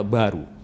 banyak hal baru